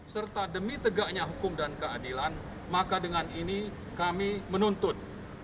serta demi tegaknya hukum dan keadilan maka dengan ini kami menuntut